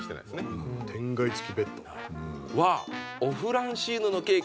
“オフランシーヌ”のケーキだ！